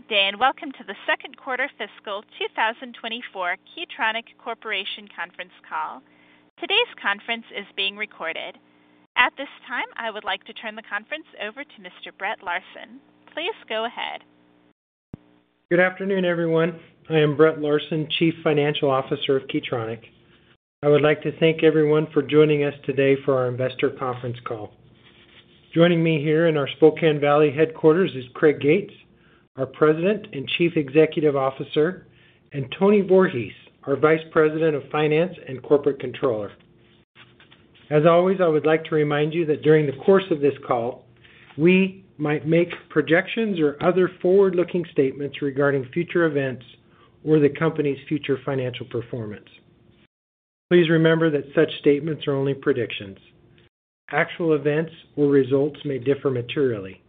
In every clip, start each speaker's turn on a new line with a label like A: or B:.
A: Good day, and welcome to the Second Quarter Fiscal 2024 Key Tronic Corporation Conference Call. Today's Conference is being recorded. At this time, I would like to turn the conference over to Mr. Brett Larsen. Please go ahead.
B: Good afternoon, everyone. I am Brett Larsen, Chief Financial Officer of Key Tronic. I would like to thank everyone for joining us today for our investor conference call. Joining me here in our Spokane Valley headquarters is Craig Gates, our President and Chief Executive Officer, and Tony Voorhees, our Vice President of Finance and Corporate Controller. As always, I would like to remind you that during the course of this call, we might make projections or other forward-looking statements regarding future events or the company's future financial performance. Please remember that such statements are only predictions. Actual events or results may differ materially.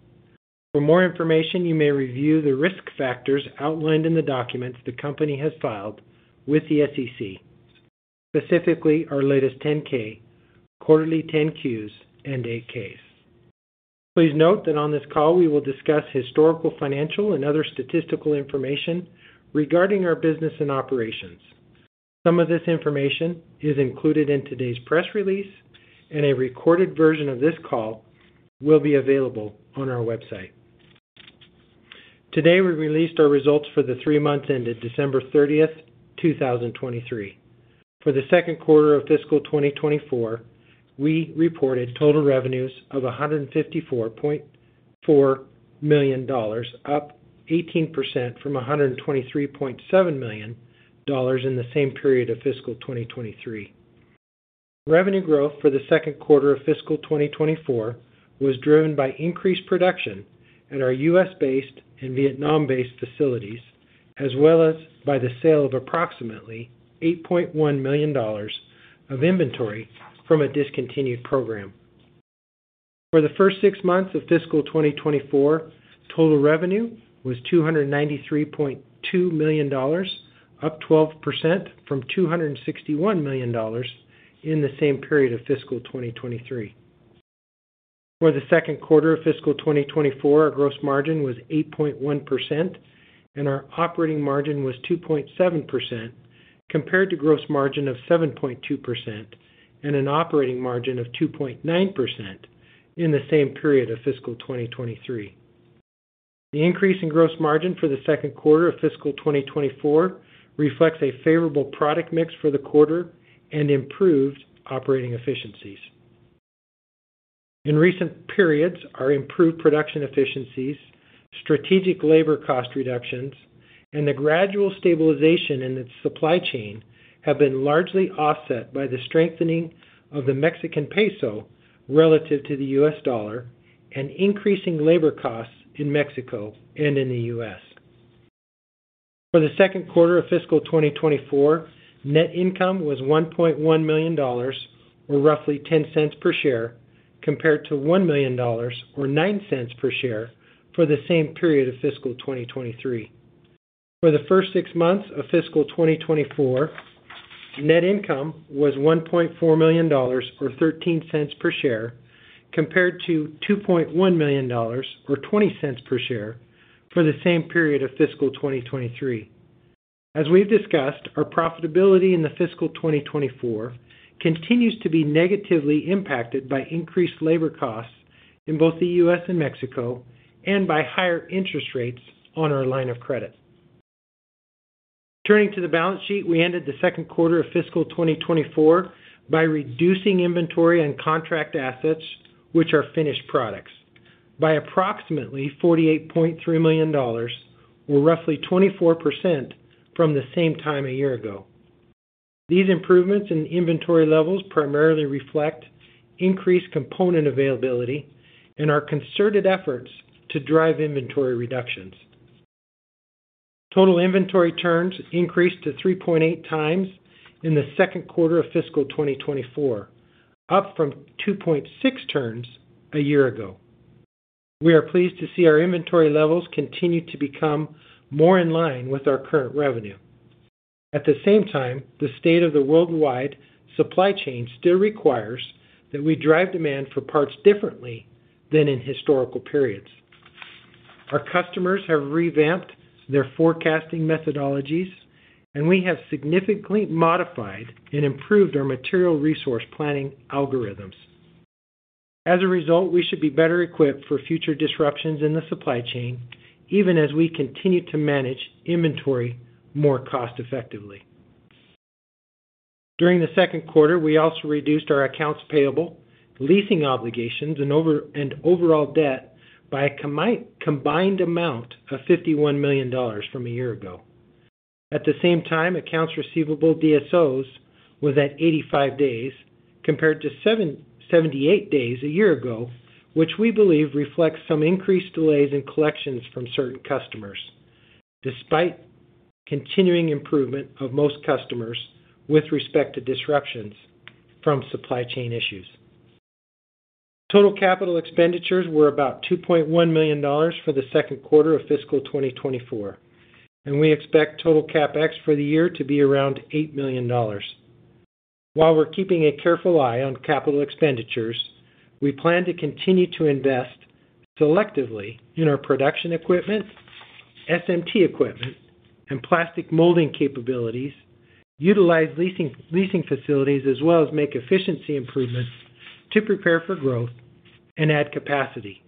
B: For more information, you may review the risk factors outlined in the documents the company has filed with the SEC, specifically our latest 10-K, quarterly 10-Qs, and 8-Ks. Please note that on this call, we will discuss historical, financial, and other statistical information regarding our business and operations. Some of this information is included in today's press release, and a recorded version of this call will be available on our website. Today, we released our results for the three months ended December 30th, 2023. For the second quarter of fiscal 2024, we reported total revenues of $154.4 million, up 18% from $123.7 million in the same period of fiscal 2023. Revenue growth for the second quarter of fiscal 2024 was driven by increased production at our U.S.-based and Vietnam-based facilities, as well as by the sale of approximately $8.1 million of inventory from a discontinued program. For the first six months of fiscal 2024, total revenue was $293.2 million, up 12% from $261 million in the same period of fiscal 2023. For the second quarter of fiscal 2024, our gross margin was 8.1%, and our operating margin was 2.7%, compared to gross margin of 7.2% and an operating margin of 2.9% in the same period of fiscal 2023. The increase in gross margin for the second quarter of fiscal 2024 reflects a favorable product mix for the quarter and improved operating efficiencies. In recent periods, our improved production efficiencies, strategic labor cost reductions, and the gradual stabilization in its supply chain have been largely offset by the strengthening of the Mexican peso relative to the US dollar and increasing labor costs in Mexico and in the U.S. For the second quarter of fiscal 2024, net income was $1.1 million, or roughly $0.10 per share, compared to $1 million, or $0.09 per share, for the same period of fiscal 2023. For the first six months of fiscal 2024, net income was $1.4 million, or $0.13 per share, compared to $2.1 million, or $0.20 per share, for the same period of fiscal 2023. As we've discussed, our profitability in the fiscal 2024 continues to be negatively impacted by increased labor costs in both the U.S. and Mexico and by higher interest rates on our line of credit. Turning to the balance sheet, we ended the second quarter of fiscal 2024 by reducing inventory and contract assets, which are finished products, by approximately $48.3 million, or roughly 24% from the same time a year ago. These improvements in inventory levels primarily reflect increased component availability and our concerted efforts to drive inventory reductions. Total inventory turns increased to 3.8 times in the second quarter of fiscal 2024, up from 2.6 turns a year ago. We are pleased to see our inventory levels continue to become more in line with our current revenue. At the same time, the state of the worldwide supply chain still requires that we drive demand for parts differently than in historical periods. Our customers have revamped their forecasting methodologies, and we have significantly modified and improved our material resource planning algorithms. As a result, we should be better equipped for future disruptions in the supply chain, even as we continue to manage inventory more cost-effectively. During the second quarter, we also reduced our accounts payable, leasing obligations, and overall debt by a combined amount of $51 million from a year ago. At the same time, accounts receivable DSOs was at 85 days, compared to 78 days a year ago, which we believe reflects some increased delays in collections from certain customers, despite continuing improvement of most customers with respect to disruptions from supply chain issues. Total capital expenditures were about $2.1 million for the second quarter of fiscal 2024, and we expect total CapEx for the year to be around $8 million.... While we're keeping a careful eye on capital expenditures, we plan to continue to invest selectively in our production equipment, SMT equipment, and plastic molding capabilities, utilize leasing, leasing facilities, as well as make efficiency improvements to prepare for growth and add capacity,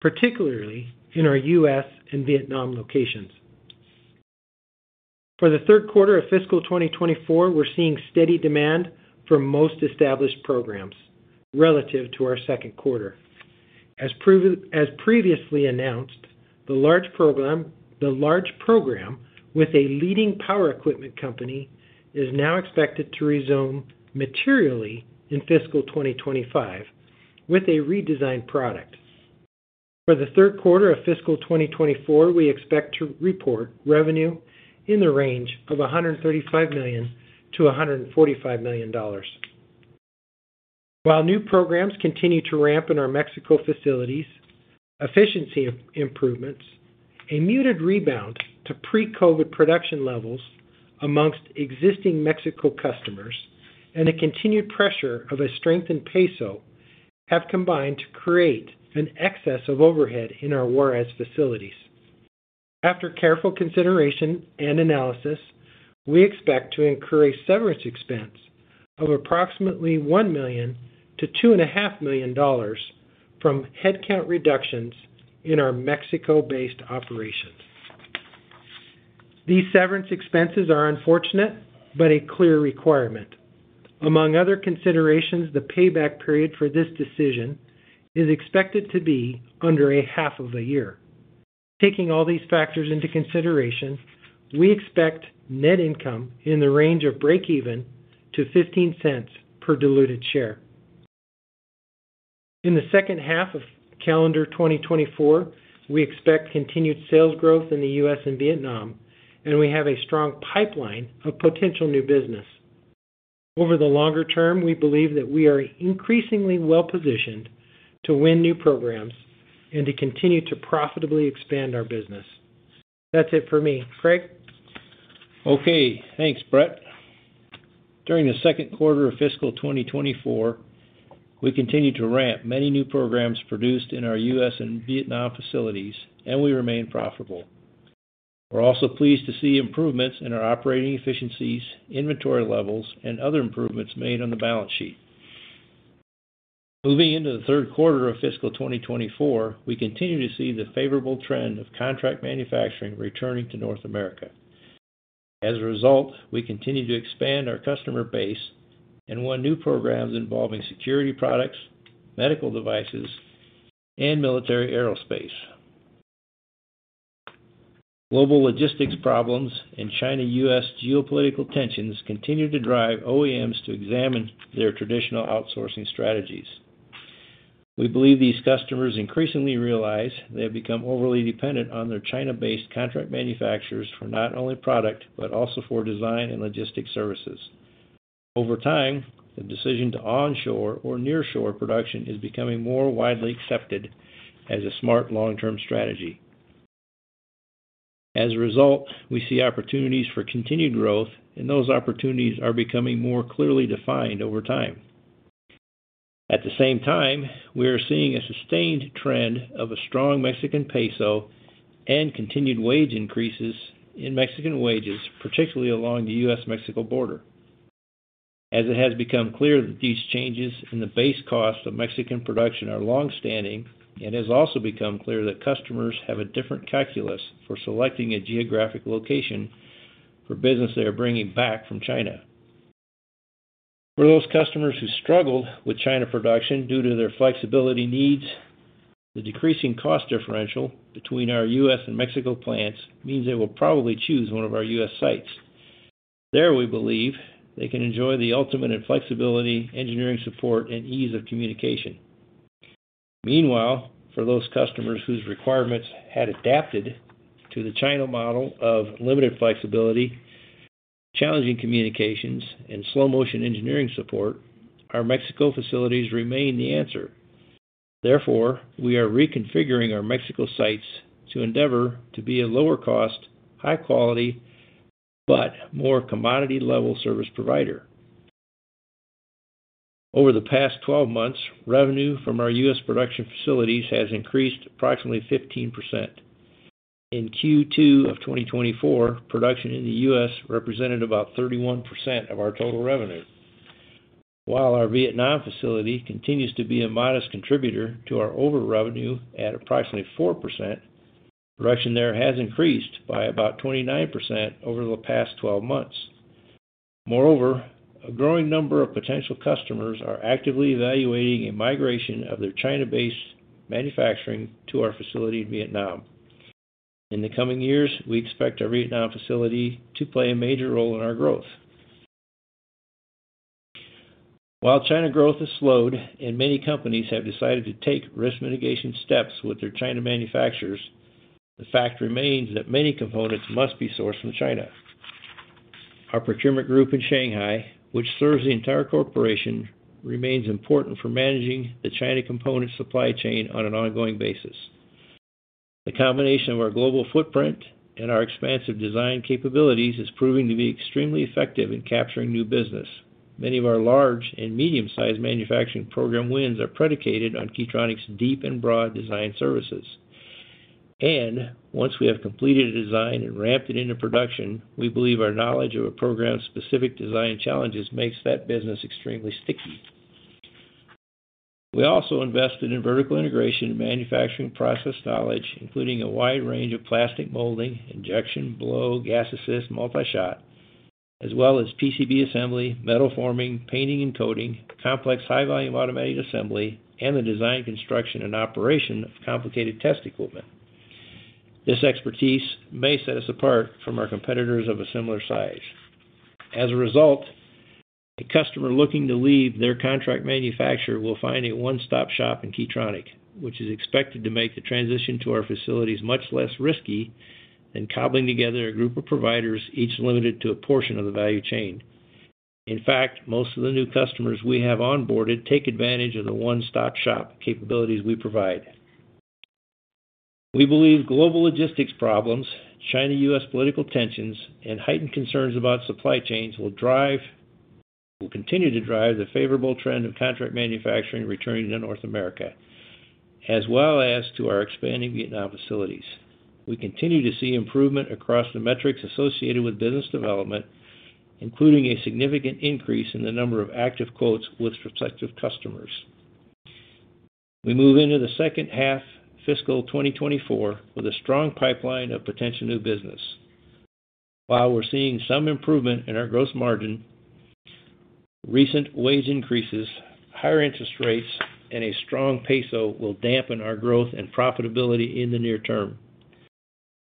B: particularly in our U.S. and Vietnam locations. For the third quarter of fiscal 2024, we're seeing steady demand for most established programs relative to our second quarter. As previously announced, the large program, the large program with a leading power equipment company, is now expected to resume materially in fiscal 2025 with a redesigned product. For the third quarter of fiscal 2024, we expect to report revenue in the range of $135 million $145 million. While new programs continue to ramp in our Mexico facilities, efficiency improvements, a muted rebound to pre-COVID production levels among existing Mexico customers, and a continued pressure of a strengthened peso, have combined to create an excess of overhead in our Juárez facilities. After careful consideration and analysis, we expect to incur a severance expense of approximately $1 million-$2.5 million from headcount reductions in our Mexico-based operations. These severance expenses are unfortunate, but a clear requirement. Among other considerations, the payback period for this decision is expected to be under a half of a year. Taking all these factors into consideration, we expect net income in the range of breakeven to $0.15 per diluted share. In the second half of calendar 2024, we expect continued sales growth in the U.S. and Vietnam, and we have a strong pipeline of potential new business. Over the longer term, we believe that we are increasingly well-positioned to win new programs and to continue to profitably expand our business. That's it for me. Craig?
C: Okay, thanks, Brett. During the second quarter of fiscal 2024, we continued to ramp many new programs produced in our U.S. and Vietnam facilities, and we remain profitable. We're also pleased to see improvements in our operating efficiencies, inventory levels, and other improvements made on the balance sheet. Moving into the third quarter of fiscal 2024, we continue to see the favorable trend of contract manufacturing returning to North America. As a result, we continue to expand our customer base and won new programs involving security products, medical devices, and military aerospace. Global logistics problems and China U.S. geopolitical tensions continue to drive OEMs to examine their traditional outsourcing strategies. We believe these customers increasingly realize they have become overly dependent on their China-based contract manufacturers for not only product, but also for design and logistics services. Over time, the decision to onshore or nearshore production is becoming more widely accepted as a smart long-term strategy. As a result, we see opportunities for continued growth, and those opportunities are becoming more clearly defined over time. At the same time, we are seeing a sustained trend of a strong Mexican peso and continued wage increases in Mexican wages, particularly along the U.S.-Mexico border. As it has become clear that these changes in the base cost of Mexican production are long-standing, and has also become clear that customers have a different calculus for selecting a geographic location for business they are bringing back from China. For those customers who struggled with China production due to their flexibility needs, the decreasing cost differential between our U.S. and Mexico plants means they will probably choose one of our U.S. sites. There, we believe they can enjoy the ultimate in flexibility, engineering support, and ease of communication. Meanwhile, for those customers whose requirements had adapted to the China model of limited flexibility, challenging communications, and slow-motion engineering support, our Mexico facilities remain the answer. Therefore, we are reconfiguring our Mexico sites to endeavor to be a lower cost, high quality, but more commodity-level service provider. Over the past twelve months, revenue from our U.S. production facilities has increased approximately 15%. In Q2 of 2024, production in the U.S. represented about 31% of our total revenue. While our Vietnam facility continues to be a modest contributor to our overall revenue at approximately 4%, production there has increased by about 29% over the past twelve months. Moreover, a growing number of potential customers are actively evaluating a migration of their China-based manufacturing to our facility in Vietnam. In the coming years, we expect our Vietnam facility to play a major role in our growth. While China growth has slowed and many companies have decided to take risk mitigation steps with their China manufacturers, the fact remains that many components must be sourced from China. Our procurement group in Shanghai, which serves the entire corporation, remains important for managing the China component supply chain on an ongoing basis. The combination of our global footprint and our expansive design capabilities is proving to be extremely effective in capturing new business. Many of our large and medium-sized manufacturing program wins are predicated on Key Tronic's deep and broad design services. Once we have completed a design and ramped it into production, we believe our knowledge of a program's specific design challenges makes that business extremely sticky. We also invested in vertical integration and manufacturing process knowledge, including a wide range of plastic molding, injection, blow, gas assist, multi-shot, as well as PCB assembly, metal forming, painting and coating, complex high-volume automated assembly, and the design, construction, and operation of complicated test equipment. This expertise may set us apart from our competitors of a similar size. As a result, a customer looking to leave their contract manufacturer will find a one-stop-shop in Key Tronic, which is expected to make the transition to our facilities much less risky than cobbling together a group of providers, each limited to a portion of the value chain. In fact, most of the new customers we have onboarded take advantage of the one-stop-shop capabilities we provide. We believe global logistics problems, China-U.S. political tensions, and heightened concerns about supply chains will continue to drive the favorable trend of contract manufacturing returning to North America, as well as to our expanding Vietnam facilities. We continue to see improvement across the metrics associated with business development, including a significant increase in the number of active quotes with prospective customers. We move into the second half fiscal 2024 with a strong pipeline of potential new business. While we're seeing some improvement in our gross margin, recent wage increases, higher interest rates, and a strong peso will dampen our growth and profitability in the near term.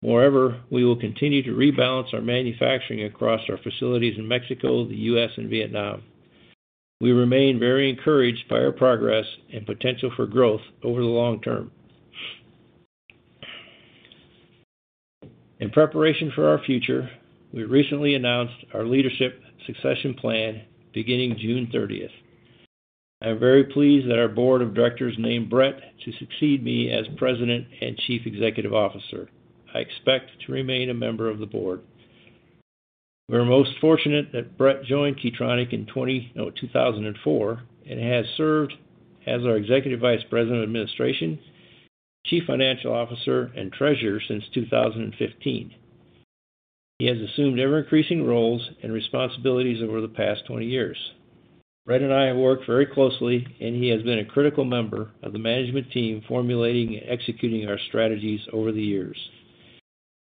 C: Moreover, we will continue to rebalance our manufacturing across our facilities in Mexico, the U.S., and Vietnam. We remain very encouraged by our progress and potential for growth over the long term. In preparation for our future, we recently announced our leadership succession plan beginning June 30th. I'm very pleased that our board of directors named Brett to succeed me as President and Chief Executive Officer. I expect to remain a member of the board. We're most fortunate that Brett joined Key Tronic in 2004, and has served as our Executive Vice President of Administration, Chief Financial Officer, and Treasurer since 2015. He has assumed ever-increasing roles and responsibilities over the past 20 years. Brett and I have worked very closely, and he has been a critical member of the management team, formulating and executing our strategies over the years.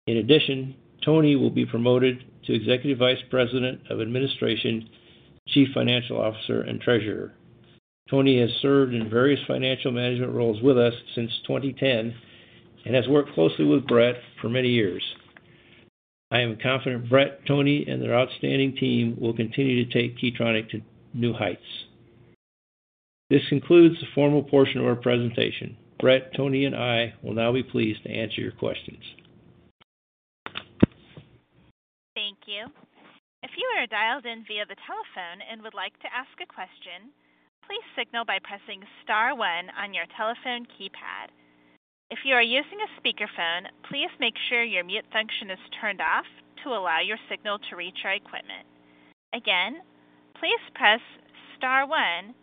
C: In addition, Tony will be promoted to Executive Vice President of Administration, Chief Financial Officer, and Treasurer. Tony has served in various financial management roles with us since 2010 and has worked closely with Brett for many years. I am confident Brett, Tony, and their outstanding team will continue to take Key Tronic to new heights. This concludes the formal portion of our presentation. Brett, Tony, and I will now be pleased to answer your questions.
A: Thank you. If you are dialed in via the telephone and would like to ask a question, please signal by pressing star one on your telephone keypad. If you are using a speakerphone, please make sure your mute function is turned off to allow your signal to reach our equipment. Again, please press star one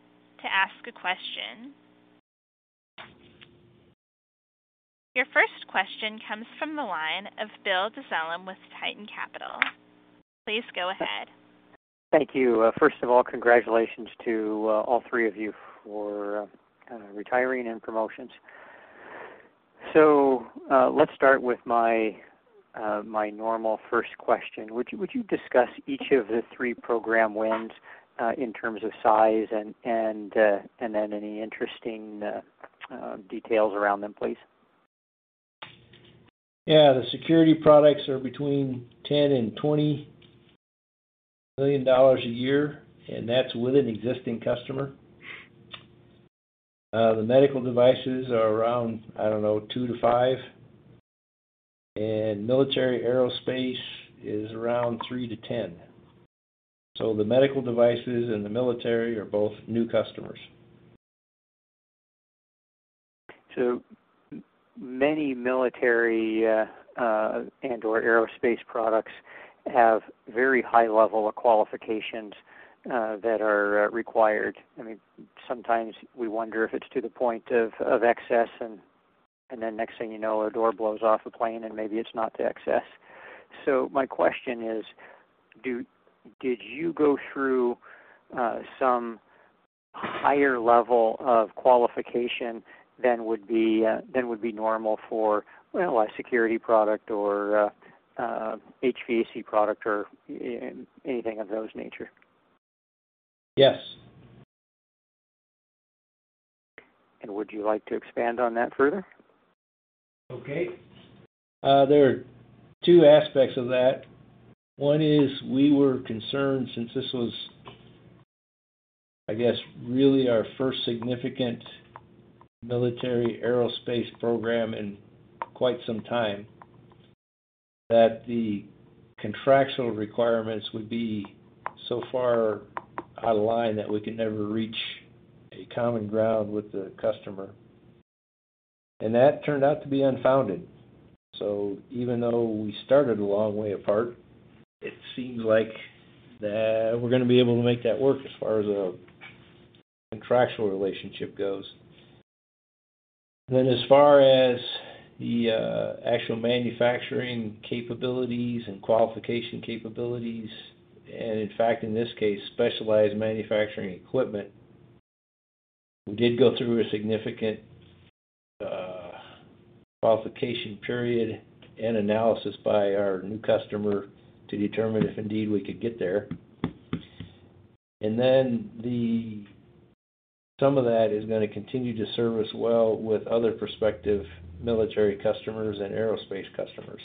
A: to ask a question. Your first question comes from the line of Bill Dezellem with Tieton Capital. Please go ahead.
D: Thank you. First of all, congratulations to all three of you for retiring and promotions. So, let's start with my normal first question. Would you discuss each of the three program wins in terms of size and then any interesting details around them, please?
C: Yeah, the security products are between $10 million and $20 million a year, and that's with an existing customer. The medical devices are around, I don't know, $2 million-$5 million, and military aerospace is around $3 million-$10 million. So the medical devices and the military are both new customers.
D: So many military and/or aerospace products have very high level of qualifications that are required. I mean, sometimes we wonder if it's to the point of excess, and then next thing you know, a door blows off a plane, and maybe it's not to excess. So my question is, did you go through some higher level of qualification than would be normal for, well, a security product or HVAC product or anything of those nature?
C: Yes.
D: Would you like to expand on that further?
C: Okay. There are two aspects of that. One is we were concerned, since this was, I guess, really our first significant military aerospace program in quite some time, that the contractual requirements would be so far out of line that we could never reach a common ground with the customer. And that turned out to be unfounded. So even though we started a long way apart, it seems like that we're going to be able to make that work as far as a contractual relationship goes. Then as far as the actual manufacturing capabilities and qualification capabilities, and in fact, in this case, specialized manufacturing equipment, we did go through a significant qualification period and analysis by our new customer to determine if indeed we could get there. And then some of that is going to continue to serve us well with other prospective military customers and aerospace customers.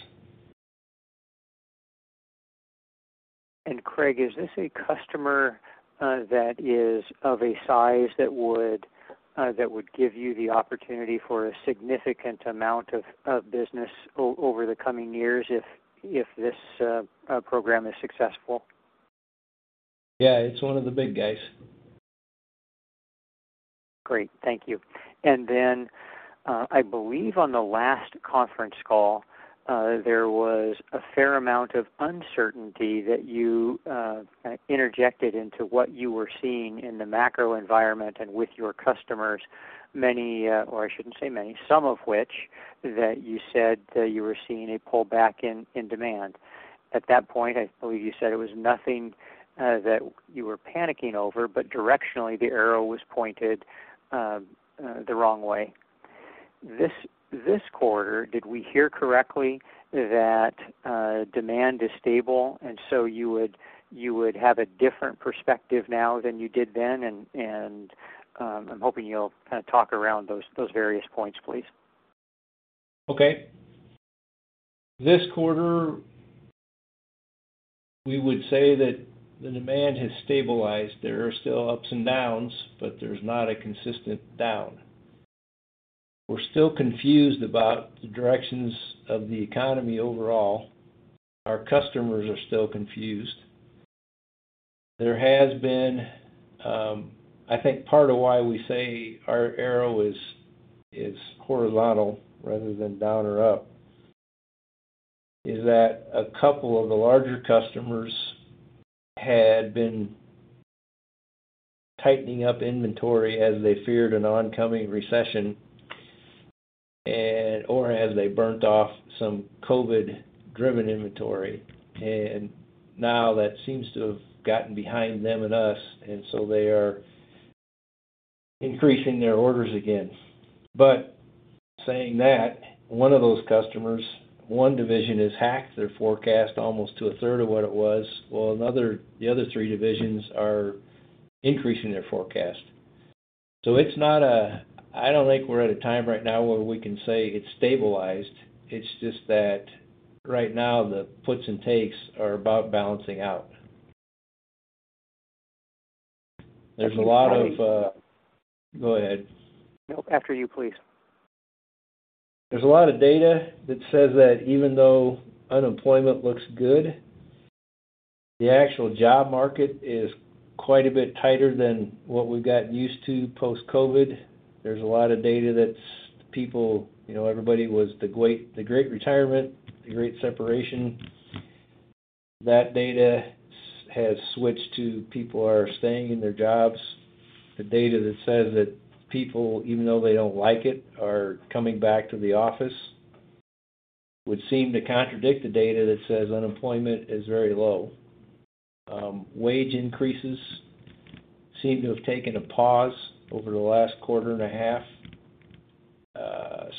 D: Craig, is this a customer that is of a size that would give you the opportunity for a significant amount of business over the coming years if this program is successful?
C: Yeah, it's one of the big guys.
D: Great, thank you. And then, I believe on the last conference call, there was a fair amount of uncertainty that you kind of interjected into what you were seeing in the macro environment and with your customers, many, or I shouldn't say many, some of which, that you said that you were seeing a pullback in demand. At that point, I believe you said it was nothing that you were panicking over, but directionally, the arrow was pointed the wrong way. This quarter, did we hear correctly that demand is stable, and so you would have a different perspective now than you did then? And I'm hoping you'll kind of talk around those various points, please.
C: Okay. This quarter, we would say that the demand has stabilized. There are still ups and downs, but there's not a consistent down. We're still confused about the directions of the economy overall. Our customers are still confused. There has been, I think part of why we say our arrow is horizontal rather than down or up, is that a couple of the larger customers had been tightening up inventory as they feared an oncoming recession and, or as they burnt off some COVID-driven inventory. And now that seems to have gotten behind them and us, and so they are increasing their orders again. But saying that, one of those customers, one division, has hacked their forecast almost to a third of what it was, while another, the other three divisions are increasing their forecast. So it's not a, I don't think we're at a time right now where we can say it's stabilized. It's just that right now, the puts and takes are about balancing out. There's a lot of, Go ahead.
D: No, after you, please.
C: There's a lot of data that says that even though unemployment looks good, the actual job market is quite a bit tighter than what we've gotten used to post-COVID. There's a lot of data that's people—you know, everybody was the great, the great retirement, the great separation. That data has switched to people are staying in their jobs. The data that says that people, even though they don't like it, are coming back to the office, would seem to contradict the data that says unemployment is very low. Wage increases seem to have taken a pause over the last quarter and a half.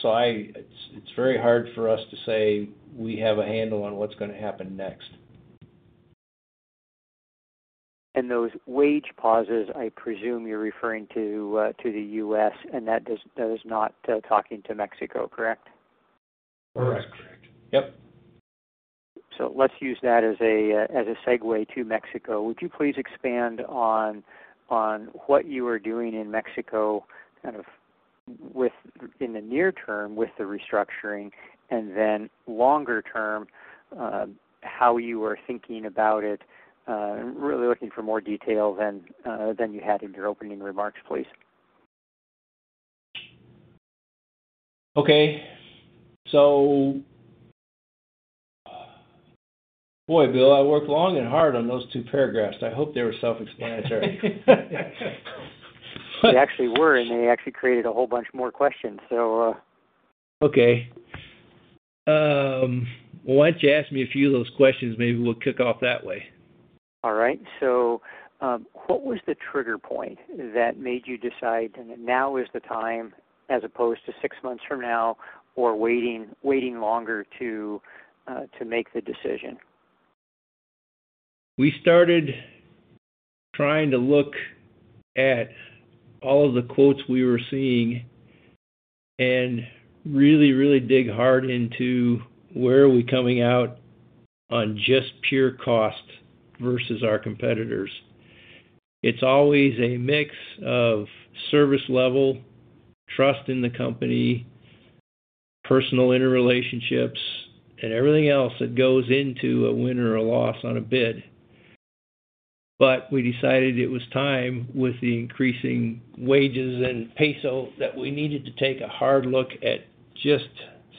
C: So it's, it's very hard for us to say we have a handle on what's going to happen next.
D: And those wage pauses, I presume you're referring to, to the U.S., and that is not talking to Mexico, correct?
C: Correct. Yep.
D: So let's use that as a segue to Mexico. Would you please expand on what you are doing in Mexico, kind of with... in the near term, with the restructuring, and then longer term, how you are thinking about it? Really looking for more detail than you had in your opening remarks, please.
C: Okay. So, boy, Bill, I worked long and hard on those two paragraphs. I hope they were self-explanatory.
D: They actually were, and they actually created a whole bunch more questions, so,
C: Okay. Why don't you ask me a few of those questions? Maybe we'll kick off that way.
D: All right. So, what was the trigger point that made you decide that now is the time, as opposed to six months from now or waiting, waiting longer to, to make the decision?
C: We started trying to look at all of the quotes we were seeing and really, really dig hard into where are we coming out on just pure cost versus our competitors... It's always a mix of service level, trust in the company, personal interrelationships, and everything else that goes into a win or a loss on a bid. But we decided it was time, with the increasing wages and peso, that we needed to take a hard look at just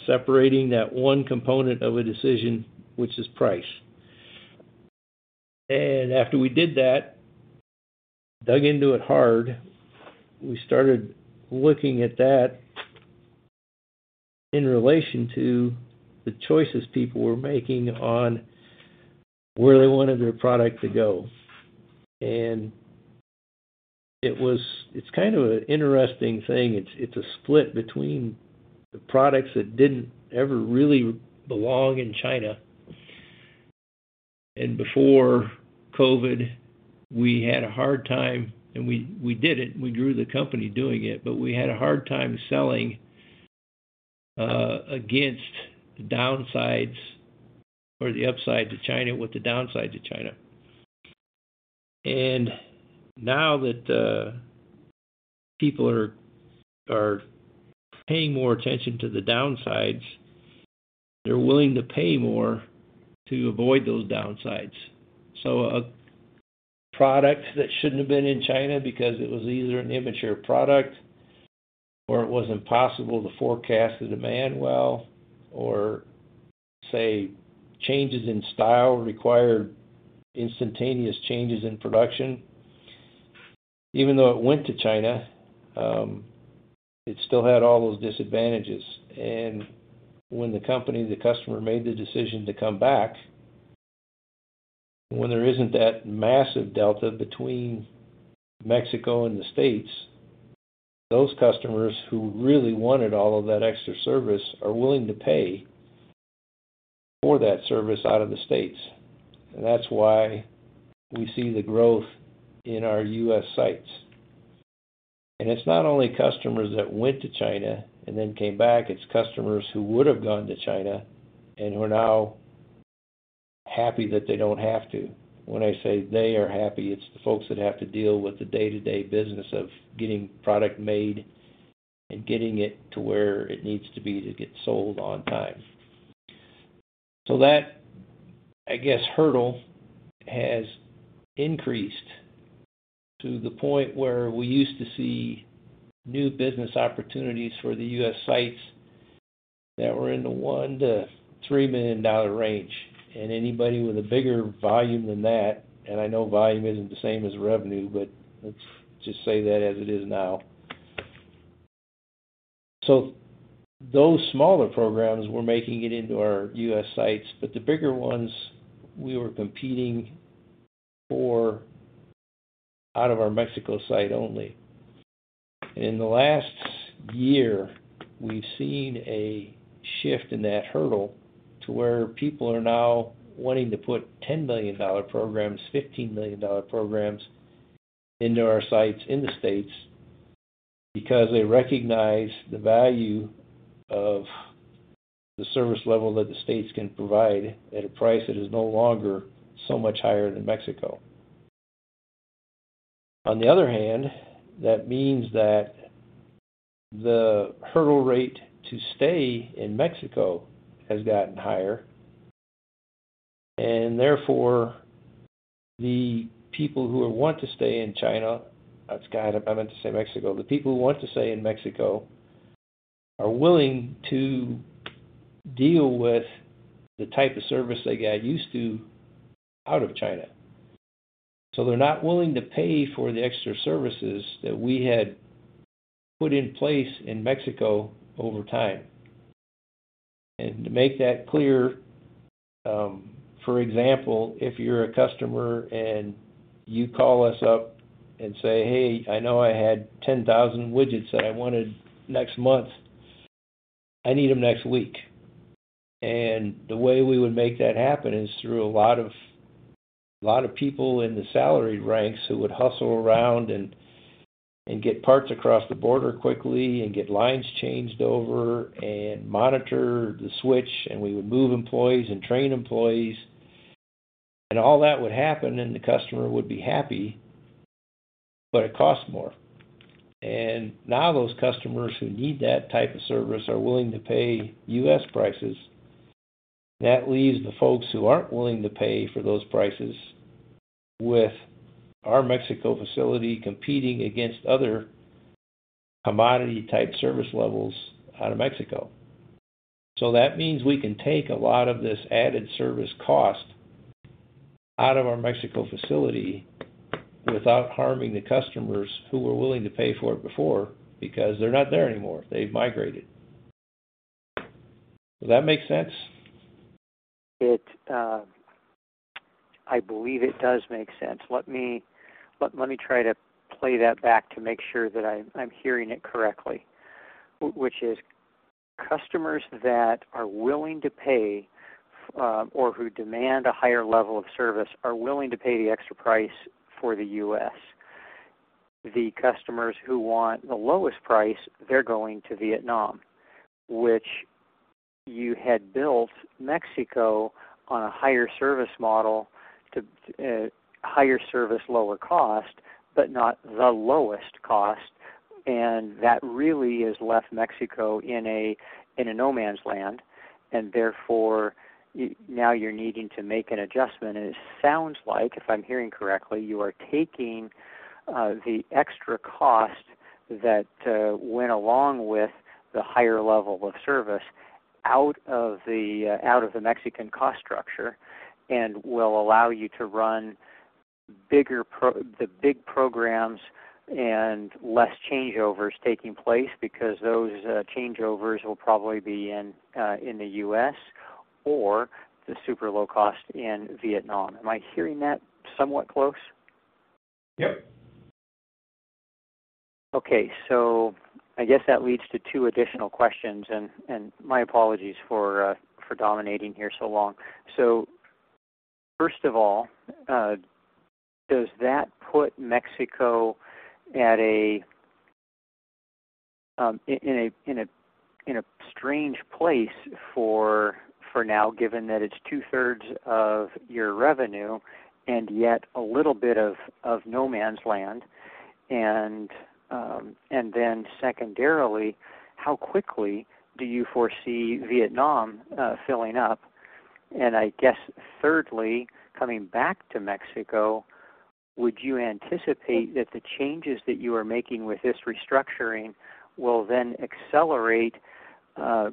C: separating that one component of a decision, which is price. And after we did that, dug into it hard, we started looking at that in relation to the choices people were making on where they wanted their product to go. And it was. It's kind of an interesting thing. It's, it's a split between the products that didn't ever really belong in China. Before COVID, we had a hard time, and we did it, we grew the company doing it, but we had a hard time selling against the downsides or the upside to China, with the downside to China. Now that people are paying more attention to the downsides, they're willing to pay more to avoid those downsides. A product that shouldn't have been in China because it was either an immature product, or it was impossible to forecast the demand well, or say, changes in style required instantaneous changes in production. Even though it went to China, it still had all those disadvantages. When the company, the customer, made the decision to come back, when there isn't that massive delta between Mexico and the States, those customers who really wanted all of that extra service are willing to pay for that service out of the States. That's why we see the growth in our U.S. sites. It's not only customers that went to China and then came back, it's customers who would have gone to China and who are now happy that they don't have to. When I say they are happy, it's the folks that have to deal with the day-to-day business of getting product made and getting it to where it needs to be to get sold on time. So that, I guess, hurdle has increased to the point where we used to see new business opportunities for the US sites that were in the $1 million-$3 million range. Anybody with a bigger volume than that, and I know volume isn't the same as revenue, but let's just say that as it is now. So those smaller programs were making it into our US sites, but the bigger ones, we were competing for out of our Mexico site only. In the last year, we've seen a shift in that hurdle to where people are now wanting to put $10 million programs, $15 million programs into our sites in the States because they recognize the value of the service level that the States can provide at a price that is no longer so much higher than Mexico. On the other hand, that means that the hurdle rate to stay in Mexico has gotten higher, and therefore, the people who want to stay in China... I meant to say Mexico. The people who want to stay in Mexico are willing to deal with the type of service they got used to out of China. So they're not willing to pay for the extra services that we had put in place in Mexico over time. And to make that clear, for example, if you're a customer and you call us up and say, "Hey, I know I had 10,000 widgets that I wanted next month. I need them next week." The way we would make that happen is through a lot of, a lot of people in the salary ranks who would hustle around and get parts across the border quickly, and get lines changed over, and monitor the switch, and we would move employees, and train employees, and all that would happen, and the customer would be happy, but it costs more. Now, those customers who need that type of service are willing to pay US prices. That leaves the folks who aren't willing to pay for those prices with our Mexico facility, competing against other commodity-type service levels out of Mexico. That means we can take a lot of this added service cost out of our Mexico facility without harming the customers who were willing to pay for it before, because they're not there anymore. They've migrated. Does that make sense?
D: It, I believe it does make sense. Let me try to play that back to make sure that I'm hearing it correctly, which is, customers that are willing to pay, or who demand a higher level of service, are willing to pay the extra price for the U.S.? The customers who want the lowest price, they're going to Vietnam, which you had built Mexico on a higher service model to higher service, lower cost, but not the lowest cost. And that really has left Mexico in a no man's land, and therefore, you now you're needing to make an adjustment. It sounds like, if I'm hearing correctly, you are taking the extra cost that went along with the higher level of service out of the Mexican cost structure, and will allow you to run the big programs and less changeovers taking place, because those changeovers will probably be in the U.S. or the super low cost in Vietnam. Am I hearing that somewhat close?
C: Yep.
D: Okay, so I guess that leads to two additional questions, and my apologies for dominating here so long. So first of all, does that put Mexico at a strange place for now, given that it's two-thirds of your revenue and yet a little bit of no man's land? And then secondarily, how quickly do you foresee Vietnam filling up? And I guess thirdly, coming back to Mexico, would you anticipate that the changes that you are making with this restructuring will then accelerate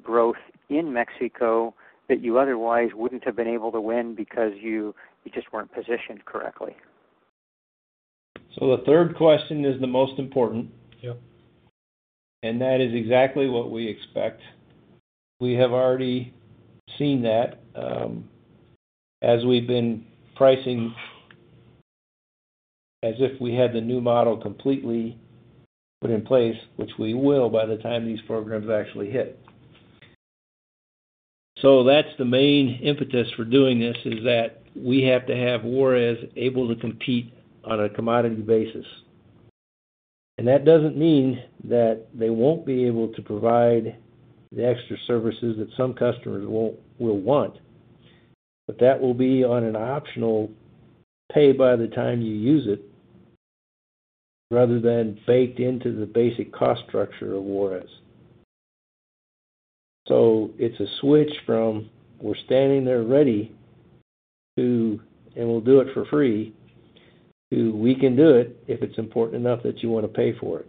D: growth in Mexico that you otherwise wouldn't have been able to win because you just weren't positioned correctly?
C: The third question is the most important.
D: Yep.
C: That is exactly what we expect. We have already seen that, as we've been pricing as if we had the new model completely put in place, which we will by the time these programs actually hit. So that's the main impetus for doing this, is that we have to have Juárez able to compete on a commodity basis. And that doesn't mean that they won't be able to provide the extra services that some customers won't, will want, but that will be on an optional pay-by-the-time-you-use-it, rather than baked into the basic cost structure of Juárez. So it's a switch from we're standing there ready to, and we'll do it for free, to we can do it if it's important enough that you want to pay for it.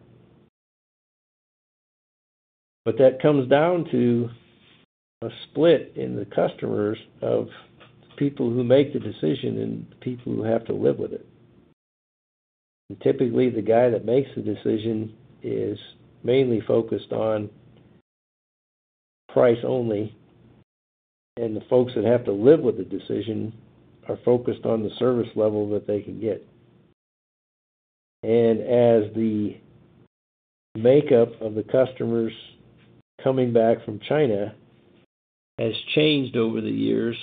C: But that comes down to a split in the customers of people who make the decision and the people who have to live with it. And typically, the guy that makes the decision is mainly focused on price only, and the folks that have to live with the decision are focused on the service level that they can get. And as the makeup of the customers coming back from China has changed over the years,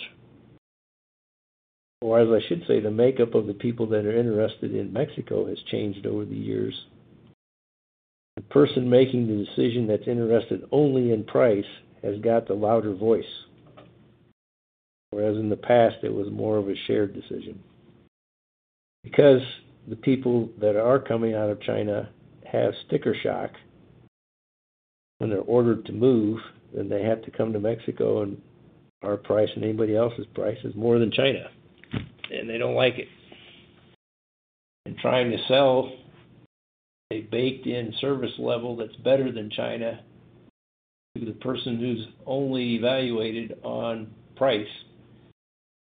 C: or as I should say, the makeup of the people that are interested in Mexico has changed over the years, the person making the decision that's interested only in price, has got the louder voice. Whereas in the past, it was more of a shared decision. Because the people that are coming out of China have sticker shock, when they're ordered to move, then they have to come to Mexico, and our price and anybody else's price is more than China, and they don't like it. And trying to sell a baked-in service level that's better than China to the person who's only evaluated on price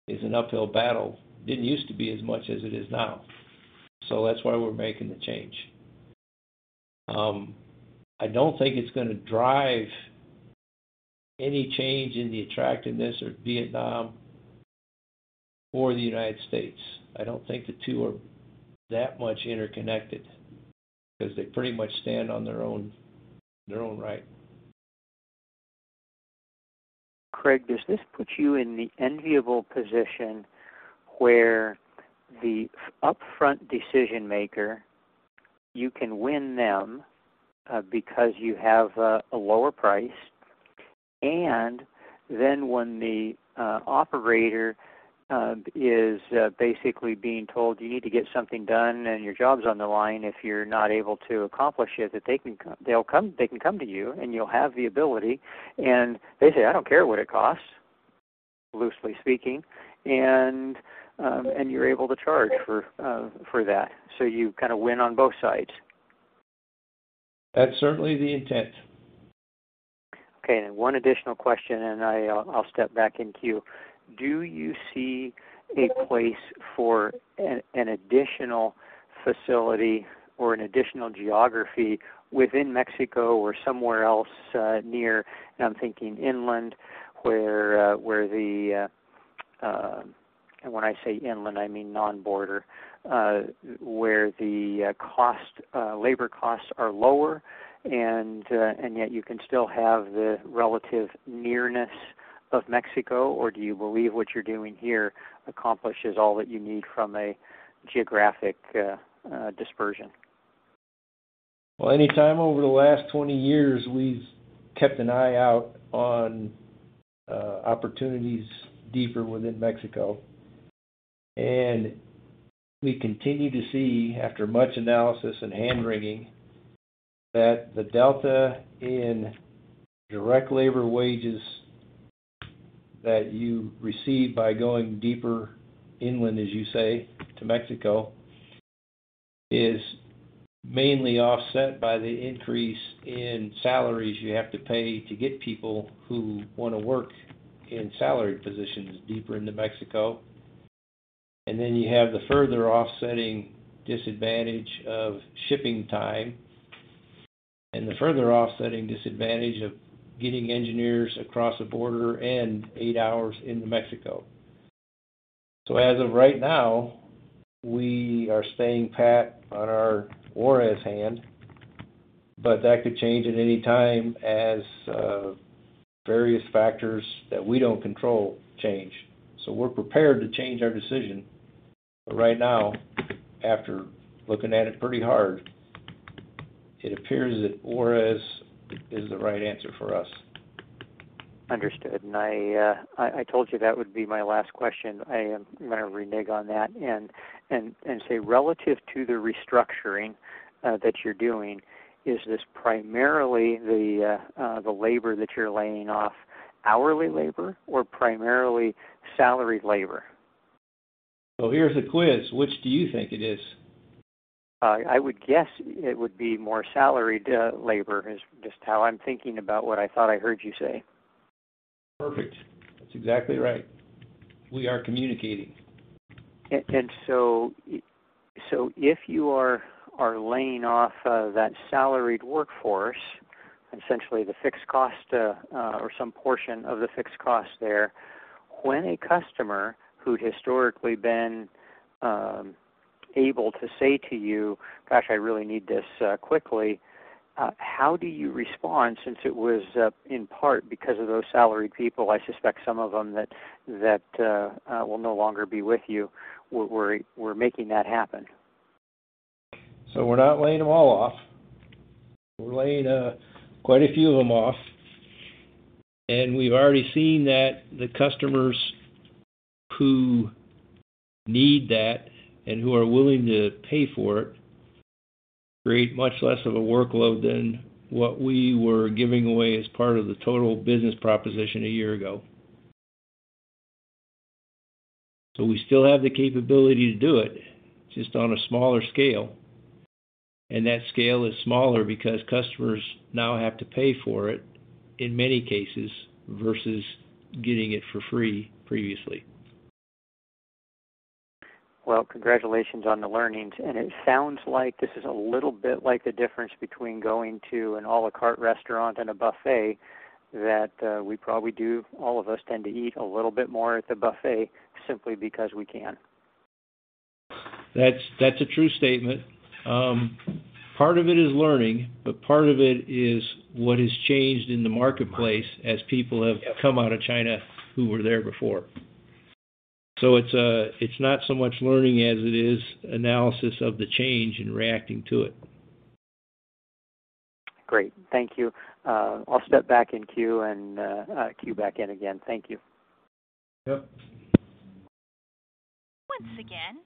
C: is an uphill battle. Didn't used to be as much as it is now. So that's why we're making the change. I don't think it's gonna drive any change in the attractiveness of Vietnam or the United States. I don't think the two are that much interconnected, 'cause they pretty much stand on their own, their own right.
D: Craig, does this put you in the enviable position where the upfront decision maker, you can win them because you have a lower price, and then when the operator is basically being told, "You need to get something done, and your job's on the line if you're not able to accomplish it," that they can come to you, and you'll have the ability, and they say, "I don't care what it costs," loosely speaking, and you're able to charge for that. So you kind of win on both sides?
C: That's certainly the intent.
D: Okay, and one additional question, and I, I'll step back in queue. Do you see a place for an, an additional facility or an additional geography within Mexico or somewhere else, near, and I'm thinking inland, where, where the, And when I say inland, I mean non-border, where the, cost, labor costs are lower and, and yet you can still have the relative nearness?... of Mexico, or do you believe what you're doing here accomplishes all that you need from a geographic, dispersion?
C: Well, anytime over the last 20 years, we've kept an eye out on opportunities deeper within Mexico. And we continue to see, after much analysis and hand-wringing, that the delta in direct labor wages that you receive by going deeper inland, as you say, to Mexico, is mainly offset by the increase in salaries you have to pay to get people who want to work in salaried positions deeper into Mexico. And then you have the further offsetting disadvantage of shipping time and the further offsetting disadvantage of getting engineers across the border and eight hours into Mexico. So as of right now, we are staying pat on our Juárez hand, but that could change at any time as various factors that we don't control change. So we're prepared to change our decision. Right now, after looking at it pretty hard, it appears that Juárez is the right answer for us.
D: Understood. And I told you that would be my last question. I am going to renege on that and say, relative to the restructuring that you're doing, is this primarily the labor that you're laying off, hourly labor or primarily salaried labor?
C: Here's a quiz. Which do you think it is?
D: I would guess it would be more salaried labor, is just how I'm thinking about what I thought I heard you say.
C: Perfect. That's exactly right. We are communicating.
D: So if you are laying off that salaried workforce, essentially the fixed cost or some portion of the fixed cost there. When a customer who'd historically been able to say to you, "Gosh, I really need this quickly," how do you respond? Since it was in part because of those salaried people, I suspect some of them that will no longer be with you were making that happen.
C: So we're not laying them all off. We're laying quite a few of them off, and we've already seen that the customers who need that and who are willing to pay for it create much less of a workload than what we were giving away as part of the total business proposition a year ago. So we still have the capability to do it, just on a smaller scale, and that scale is smaller because customers now have to pay for it in many cases, versus getting it for free previously.
D: Well, congratulations on the learnings. It sounds like this is a little bit like the difference between going to an à la carte restaurant and a buffet, that, we probably do all of us tend to eat a little bit more at the buffet simply because we can.
C: That's, that's a true statement. Part of it is learning, but part of it is what has changed in the marketplace as people have come out of China who were there before. So it's, it's not so much learning as it is analysis of the change and reacting to it.
D: Great. Thank you. I'll step back in queue and queue back in again. Thank you.
C: Yep.
A: Once again,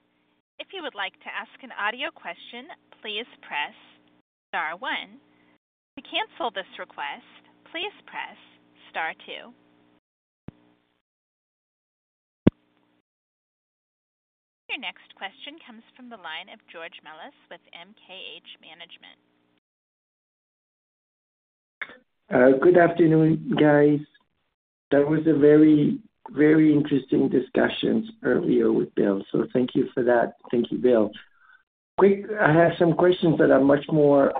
A: if you would like to ask an audio question, please press star one. To cancel this request, please press star two. Your next question comes from the line of George Melas with MKH Management.
E: Good afternoon, guys. That was a very, very interesting discussions earlier with Bill, so thank you for that. Thank you, Bill. Quick, I have some questions that are much more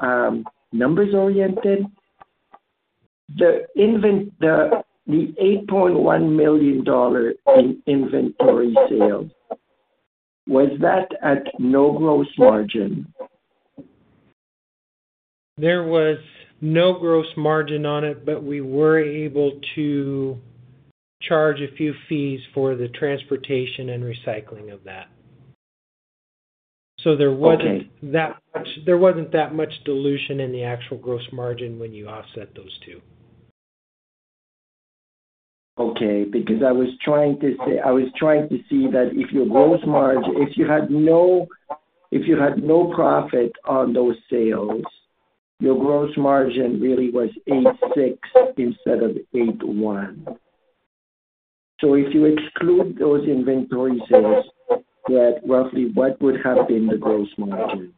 E: numbers oriented. The $8.1 million in inventory sale, was that at no gross margin?
C: There was no gross margin on it, but we were able to charge a few fees for the transportation and recycling of that.
E: Okay.
C: So there wasn't that much, there wasn't that much dilution in the actual gross margin when you offset those two.
E: Okay, because I was trying to see that if your gross margin, if you had no profit on those sales, your gross margin really was 8.6% instead of 8.1%. So if you exclude those inventory sales, that roughly what would have been the gross margin?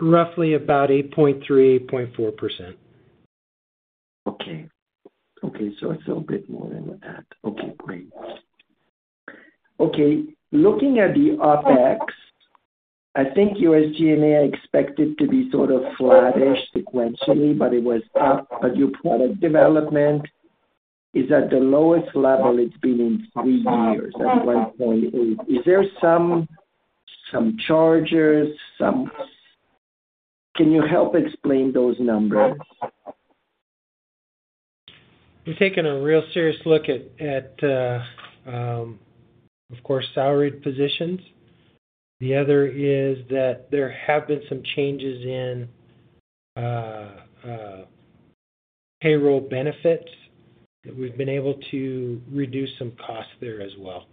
C: Roughly about 8.3%-8.4%.
E: Okay. Okay, so it's a bit more than that. Okay, great. Okay, looking at the OpEx, I think your SG&A expected to be sort of flattish sequentially, but it was up. But your product development is at the lowest level it's been in three years, at $1.8. Is there some charges...? Can you help explain those numbers?
B: We've taken a real serious look at, of course, salaried positions. The other is that there have been some changes in, payroll benefits, that we've been able to reduce some costs there as well.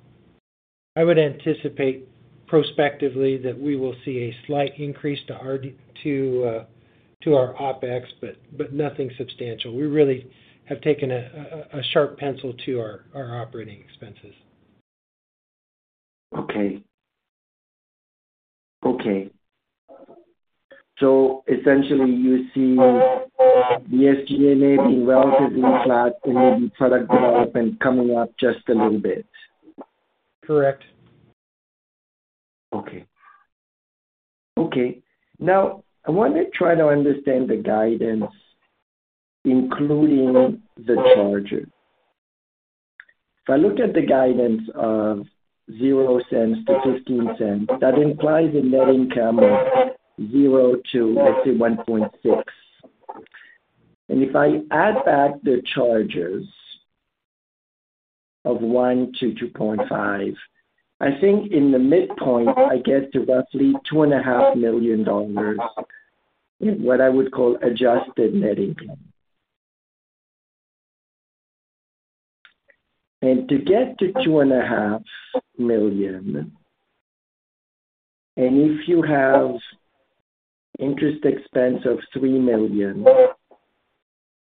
B: I would anticipate prospectively that we will see a slight increase to our OpEx, but nothing substantial. We really have taken a sharp pencil to our operating expenses.
E: Okay. Okay. So essentially, you see the SG&A being relatively flat and maybe product development coming up just a little bit?
B: Correct.
E: Okay. Okay, now, I want to try to understand the guidance, including the charger. If I look at the guidance of $0.00-$0.15, that implies a net income of $0-$1.6 million. And if I add back the charges of $1 million-$2.5 million, I think in the midpoint, I get to roughly $2.5 million, in what I would call adjusted net income. And to get to $2.5 million, and if you have interest expense of $3 million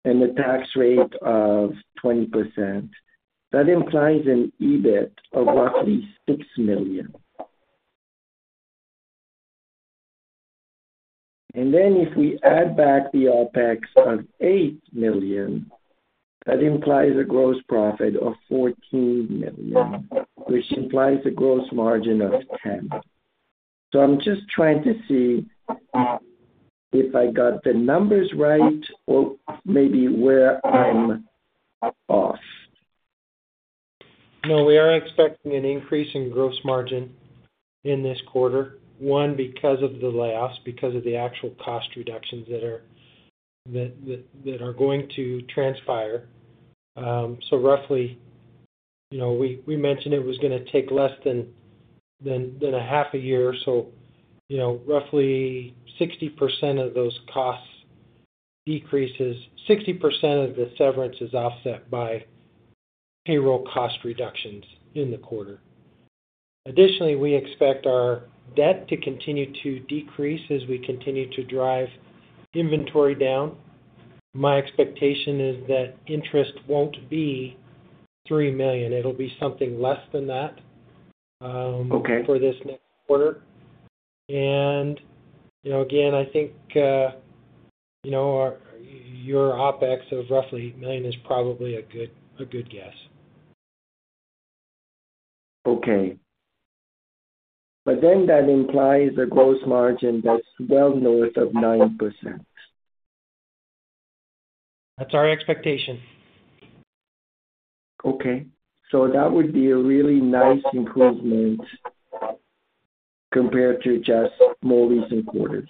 E: and a tax rate of 20%, that implies an EBIT of roughly $6 million. And then if we add back the OpEx of $8 million, that implies a gross profit of $14 million, which implies a gross margin of 10%. I'm just trying to see if I got the numbers right or maybe where I'm off.
B: No, we are expecting an increase in gross margin in this quarter, one, because of the layoffs, because of the actual cost reductions that are going to transpire. So, roughly, you know, we mentioned it was going to take less than a half a year. So, you know, roughly 60% of those costs decreases 60% of the severance is offset by payroll cost reductions in the quarter. Additionally, we expect our debt to continue to decrease as we continue to drive inventory down. My expectation is that interest won't be $3 million, it'll be something less than that.
E: Okay.
B: For this next quarter. You know, again, I think, you know, your OpEx of roughly $1 million is probably a good, a good guess.
E: Okay. But then that implies a gross margin that's well north of 9%.
B: That's our expectation.
E: Okay. So that would be a really nice improvement compared to just more recent quarters.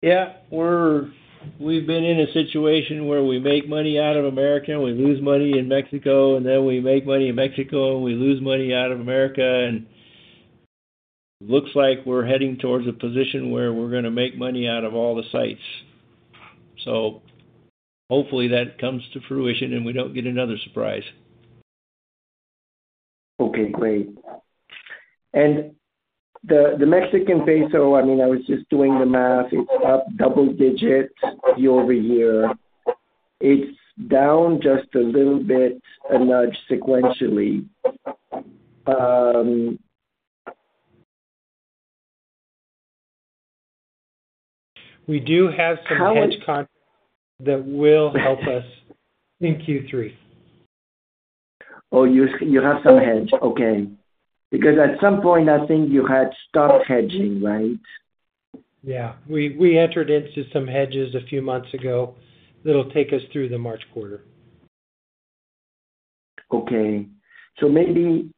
C: Yeah, we've been in a situation where we make money out of America, we lose money in Mexico, and then we make money in Mexico, and we lose money out of America, and it looks like we're heading towards a position where we're going to make money out of all the sites. So hopefully that comes to fruition, and we don't get another surprise.
E: Okay, great. And the Mexican peso, I mean, I was just doing the math, it's up double digits year-over-year. It's down just a little bit, a nudge sequentially.
B: We do have some hedge con-
E: How much?
B: That will help us in Q3.
E: Oh, you, you have some hedge. Okay. Because at some point, I think you had stopped hedging, right?
B: Yeah, we entered into some hedges a few months ago that'll take us through the March quarter.
E: Okay, so maybe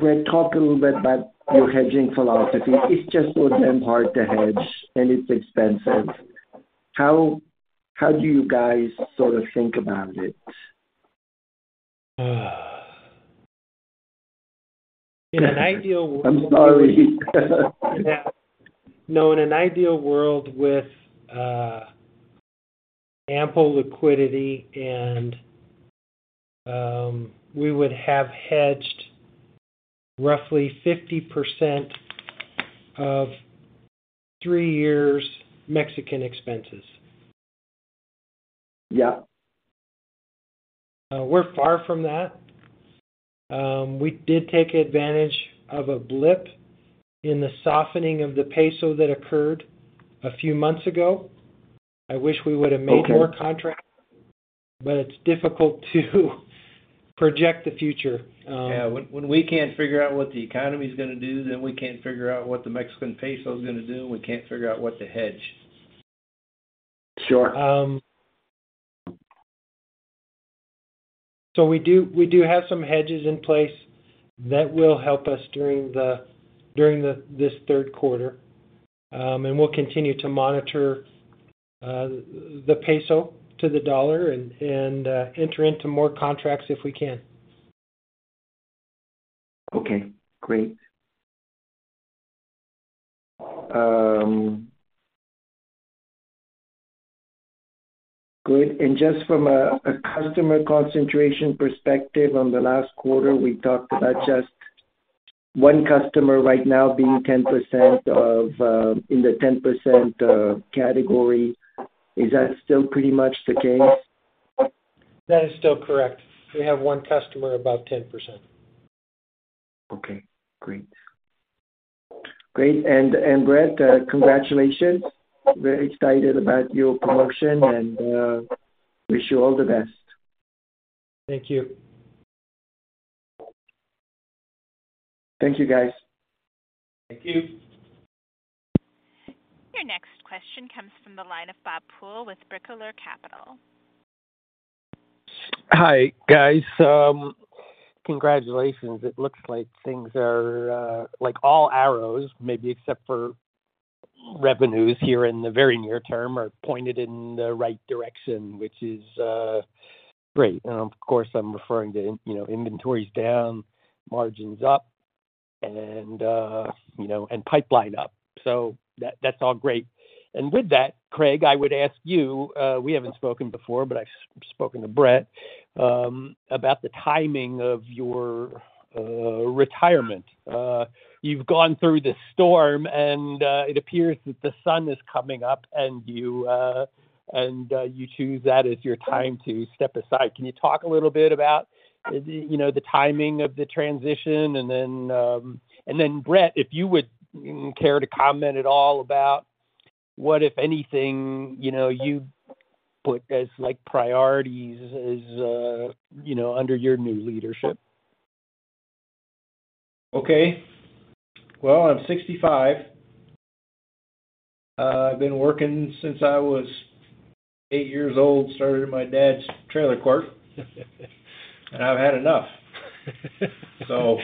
E: let's talk a little bit about your hedging philosophy. It's just so damn hard to hedge, and it's expensive. How do you guys sort of think about it?
B: In an ideal world-
E: I'm sorry.
B: No. In an ideal world with ample liquidity and we would have hedged roughly 50% of three years Mexican expenses.
E: Yeah.
B: We're far from that. We did take advantage of a blip in the softening of the Mexican peso that occurred a few months ago.
E: Okay.
B: I wish we would have made more contracts, but it's difficult to project the future.
C: Yeah. When we can't figure out what the economy is going to do, then we can't figure out what the Mexican Peso is going to do, and we can't figure out what to hedge.
E: Sure....
B: So we do, we do have some hedges in place that will help us during this third quarter. And we'll continue to monitor the peso to the dollar and enter into more contracts if we can.
E: Okay, great. Good. And just from a customer concentration perspective, on the last quarter, we talked about just one customer right now being 10% of, in the 10%, category. Is that still pretty much the case?
B: That is still correct. We have one customer above 10%.
E: Okay, great. Great, and Brett, congratulations. Very excited about your promotion, and wish you all the best.
C: Thank you.
E: Thank you, guys.
C: Thank you.
A: Your next question comes from the line of Bob Poole with B. Riley Capital.
F: Hi, guys. Congratulations. It looks like things are like all arrows, maybe except for revenues here in the very near term, are pointed in the right direction, which is great. And of course, I'm referring to, you know, inventories down, margins up, and you know, and pipeline up. So that's all great. And with that, Craig, I would ask you, we haven't spoken before, but I've spoken to Brett about the timing of your retirement. You've gone through the storm, and it appears that the sun is coming up, and you choose that as your time to step aside. Can you talk a little bit about, you know, the timing of the transition? And then, Brett, if you would care to comment at all about what, if anything, you know, you put as like priorities as, you know, under your new leadership?
C: Okay. Well, I'm 65. I've been working since I was 8 years old, started at my dad's trailer park, and I've had enough. So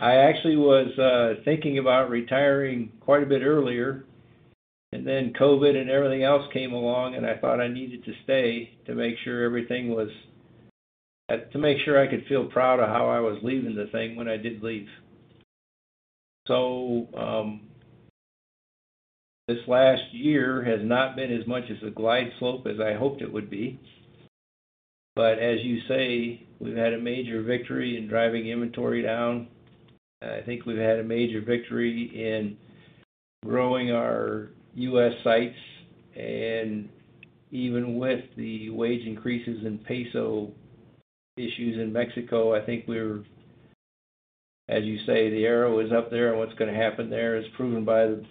C: I actually was thinking about retiring quite a bit earlier, and then COVID and everything else came along, and I thought I needed to stay to make sure everything was... to make sure I could feel proud of how I was leaving the thing when I did leave. So, this last year has not been as much as a glide slope as I hoped it would be. But as you say, we've had a major victory in driving inventory down. I think we've had a major victory in growing our US sites. And even with the wage increases in peso issues in Mexico, I think we're, as you say, the arrow is up there, and what's gonna happen there is proven by the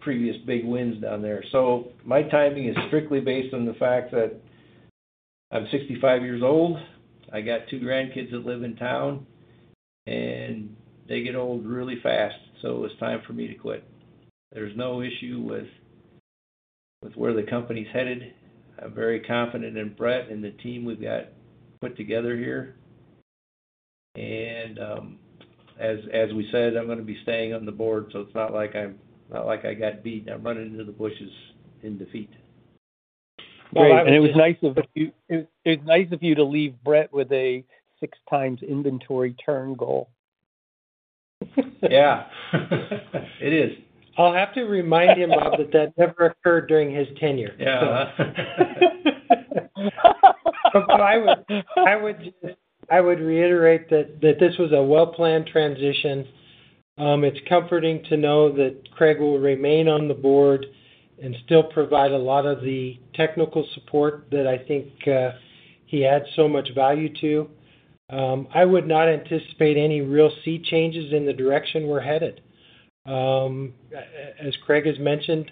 C: previous big wins down there. So my timing is strictly based on the fact that I'm 65 years old. I got two grandkids that live in town, and they get old really fast, so it's time for me to quit. There's no issue with where the company is headed. I'm very confident in Brett and the team we've got put together here. And, as we said, I'm gonna be staying on the board, so it's not like I'm, not like I got beat and I'm running into the bushes in defeat.
F: Great. And it was nice of you—it's nice of you to leave Brett with a 6x inventory turn goal.
C: Yeah, it is.
B: I'll have to remind him of that, that never occurred during his tenure.
C: Yeah.
B: But I would just reiterate that this was a well-planned transition. It's comforting to know that Craig will remain on the board and still provide a lot of the technical support that I think he adds so much value to. I would not anticipate any real seat changes in the direction we're headed. As Craig has mentioned,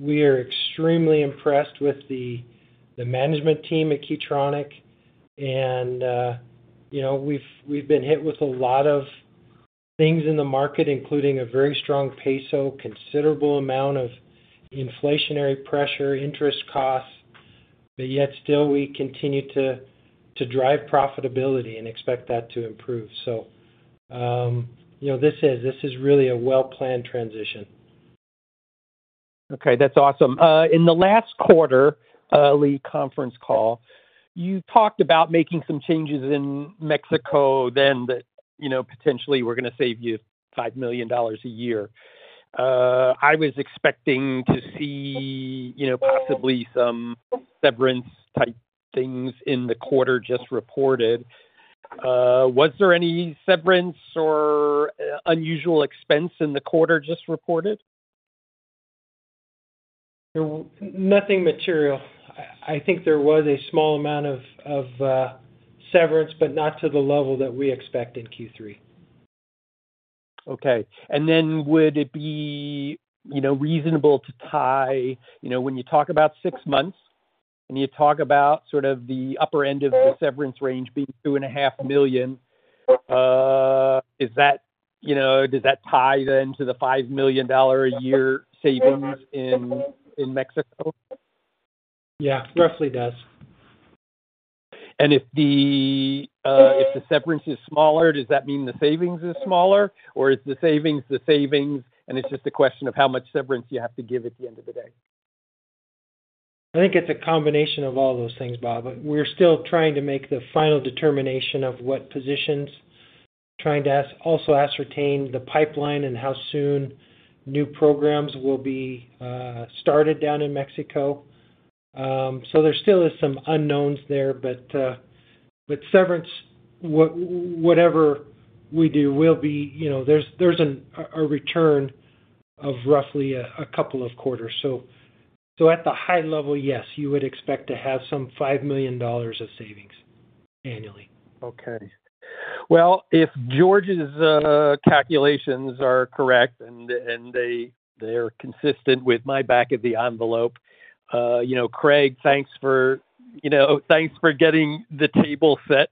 B: we are extremely impressed with the management team at Key Tronic, and, you know, we've been hit with a lot of things in the market, including a very strong peso, considerable amount of inflationary pressure, interest costs, but yet still we continue to drive profitability and expect that to improve. So, you know, this is really a well-planned transition.
F: Okay, that's awesome. In the last quarterly conference call, you talked about making some changes in Mexico, then that, you know, potentially were gonna save you $5 million a year. I was expecting to see, you know, possibly some severance-type things in the quarter just reported. Was there any severance or unusual expense in the quarter just reported?
B: Nothing material. I think there was a small amount of severance, but not to the level that we expect in Q3.
F: Okay. And then would it be, you know, reasonable to tie... You know, when you talk about six months, and you talk about sort of the upper end of the severance range being $2.5 million... Is that, you know, does that tie then to the $5 million a year savings in, in Mexico?
B: Yeah, roughly it does.
F: If the severance is smaller, does that mean the savings is smaller, or is the savings, the savings, and it's just a question of how much severance you have to give at the end of the day?
B: I think it's a combination of all those things, Bob, but we're still trying to make the final determination of what positions, trying to also ascertain the pipeline and how soon new programs will be started down in Mexico. So there still is some unknowns there, but severance, whatever we do will be you know, there's a return of roughly a couple of quarters. So at the high level, yes, you would expect to have some $5 million of savings annually.
F: Okay. Well, if George's calculations are correct, and they're consistent with my back of the envelope, you know, Craig, thanks for getting the table set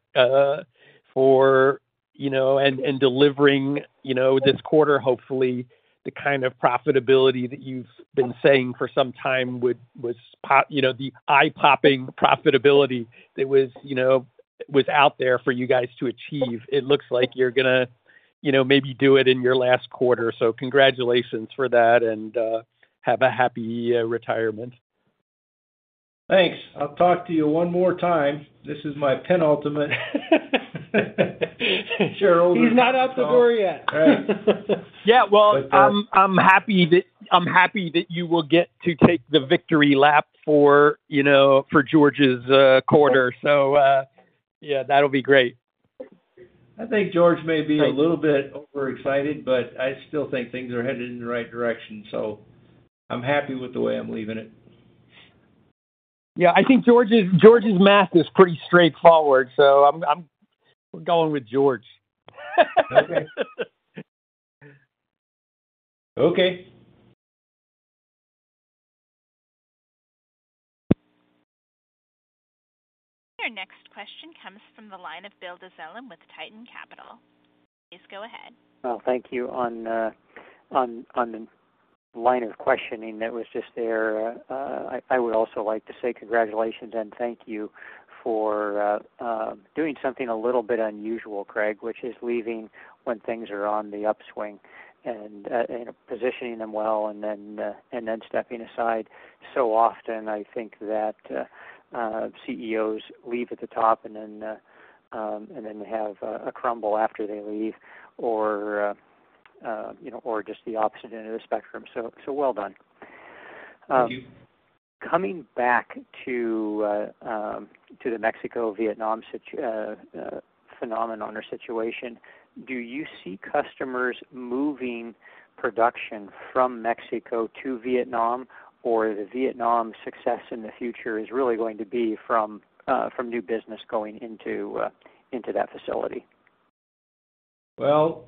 F: for, you know, and delivering, you know, this quarter hopefully the kind of profitability that you've been saying for some time would-was pop, you know, the eye-popping profitability that was, you know, was out there for you guys to achieve. It looks like you're gonna, you know, maybe do it in your last quarter. So congratulations for that, and have a happy retirement.
C: Thanks. I'll talk to you one more time. This is my penultimate.
B: He's not out the door yet.
C: Right.
F: Yeah, well, I'm happy that you will get to take the victory lap for, you know, for George's quarter. So, yeah, that'll be great.
C: I think George may be a little bit overexcited, but I still think things are headed in the right direction, so I'm happy with the way I'm leaving it.
F: Yeah, I think George's math is pretty straightforward, so I'm going with George.
C: Okay.
A: Your next question comes from the line of Bill Dezellem with Tieton Capital Management. Please go ahead.
D: Well, thank you. On the line of questioning that was just there, I would also like to say congratulations and thank you for doing something a little bit unusual, Craig, which is leaving when things are on the upswing and positioning them well and then stepping aside. So often I think that CEOs leave at the top and then they have a crumble after they leave or, you know, or just the opposite end of the spectrum. So well done.
C: Thank you.
D: Coming back to the Mexico-Vietnam phenomenon or situation, do you see customers moving production from Mexico to Vietnam? Or the Vietnam success in the future is really going to be from new business going into that facility?
C: Well,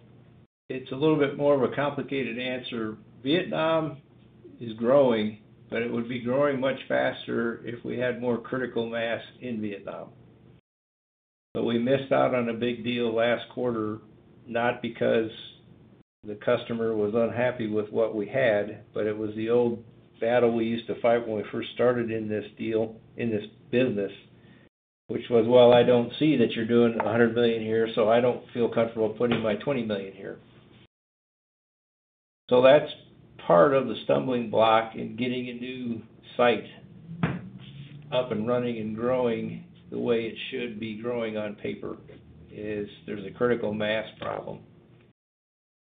C: it's a little bit more of a complicated answer. Vietnam is growing, but it would be growing much faster if we had more critical mass in Vietnam. But we missed out on a big deal last quarter, not because the customer was unhappy with what we had, but it was the old battle we used to fight when we first started in this deal, in this business, which was, "Well, I don't see that you're doing $100 million here, so I don't feel comfortable putting my $20 million here." So that's part of the stumbling block in getting a new site up and running and growing the way it should be growing on paper, is there's a critical mass problem.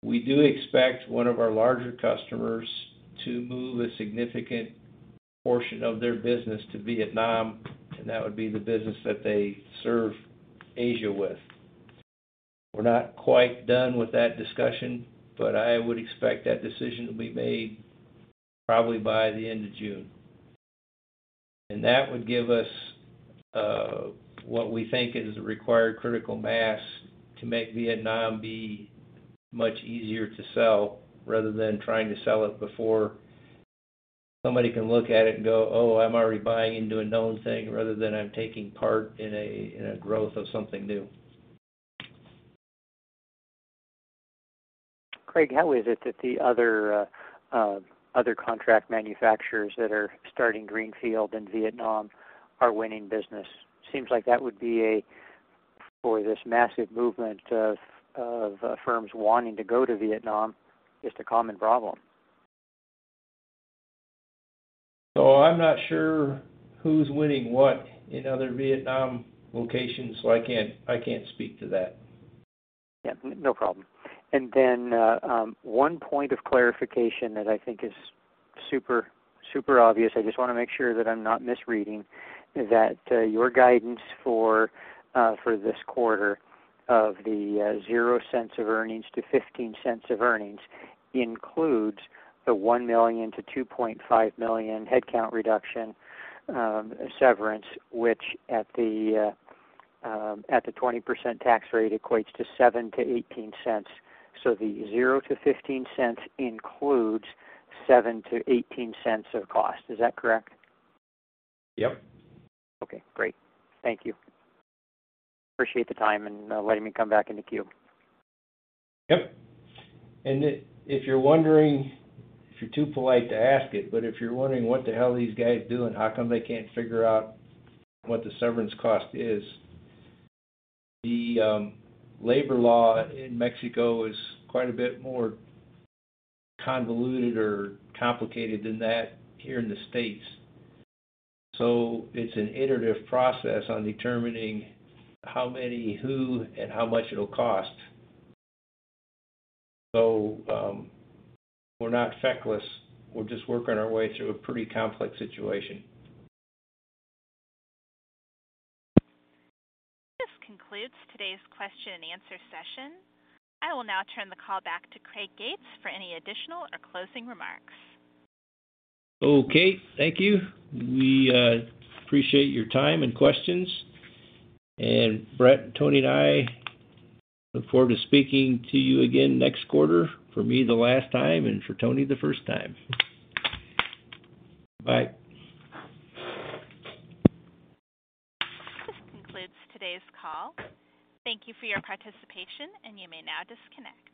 C: We do expect one of our larger customers to move a significant portion of their business to Vietnam, and that would be the business that they serve Asia with. We're not quite done with that discussion, but I would expect that decision to be made probably by the end of June. That would give us what we think is the required critical mass to make Vietnam be much easier to sell, rather than trying to sell it before somebody can look at it and go, "Oh, I'm already buying into a known thing rather than I'm taking part in a growth of something new.
D: Craig, how is it that the other, other contract manufacturers that are starting greenfield in Vietnam are winning business? Seems like that would be a, for this massive movement of, of, firms wanting to go to Vietnam, just a common problem.
C: I'm not sure who's winning what in other Vietnam locations, so I can't, I can't speak to that.
D: Yeah, no problem. And then, one point of clarification that I think is super, super obvious, I just want to make sure that I'm not misreading, is that, your guidance for this quarter of the $0.00-$0.15 of earnings includes the $1 million-$2.5 million headcount reduction severance, which at the 20% tax rate, equates to $0.07-$0.18. So the $0.00-$0.15 includes $0.07-$0.18 of cost. Is that correct?
C: Yep.
D: Okay, great. Thank you. Appreciate the time and letting me come back in the queue.
C: Yep. And if you're wondering, if you're too polite to ask it, but if you're wondering what the hell these guys doing, how come they can't figure out what the severance cost is? The labor law in Mexico is quite a bit more convoluted or complicated than that here in the States. So it's an iterative process on determining how many, who, and how much it'll cost. So, we're not feckless. We're just working our way through a pretty complex situation.
A: This concludes today's question and answer session. I will now turn the call back to Craig Gates for any additional or closing remarks.
C: Okay, thank you. We appreciate your time and questions, and Brett, Tony, and I look forward to speaking to you again next quarter. For me, the last time, and for Tony, the first time. Bye.
A: This concludes today's call. Thank you for your participation, and you may now disconnect.